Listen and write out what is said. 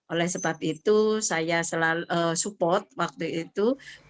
oleh sebab itu saya selalu support waktu itu